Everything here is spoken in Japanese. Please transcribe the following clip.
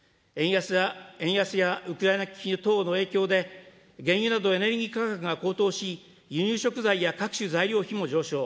円安やウクライナ危機等の影響で、原油などエネルギー価格が高騰し、輸入食材や各種材料費も上昇。